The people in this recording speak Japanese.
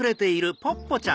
ポッポちゃん。